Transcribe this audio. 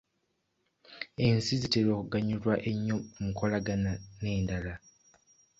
Ensi zitera okuganyulwa ennyo mu kukolagana n'endala.